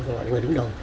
căn bộ người đứng đầu